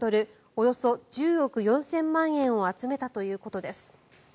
およそ１０億４０００万円を集めたということです。